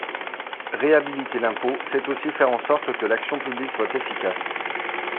Réhabiliter l’impôt, c’est aussi faire en sorte que l’action publique soit efficace.